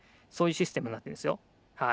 そういうシステムになってるんですよ。